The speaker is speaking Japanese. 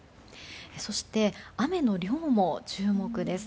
そして、雨の量も注目です。